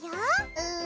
うん。